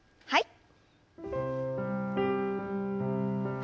はい。